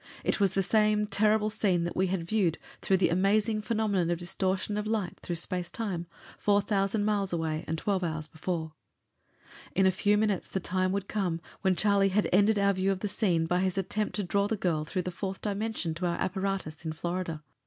It was the same terrible scene that we had viewed, through the amazing phenomenon of distortion of light through space time, four thousand miles away and twelve hours before. In a few minutes the time would come when Charlie had ended our view of the scene by his attempt to draw the girl through the fourth dimension to our apparatus in Florida.